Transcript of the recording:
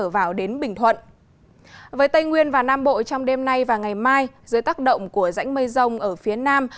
với tây nguyên và nam bộ trong đêm nay và ngày mai dưới tác động của rãnh mây rông ở phía nam